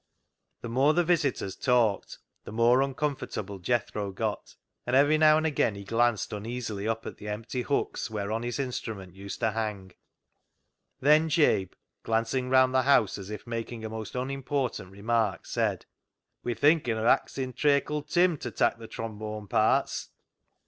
The more the visitors talked the more un comfortable Jethro got, and every now and again he glanced uneasily up at the empty hooks whereon his instrument used to hang. Then Jabe, glancing round the house as if making a most unimportant remark, said — THE KNOCKER UP 157 " We're thinkin of axin' Traycle Tim ta tak' th' trombone parts."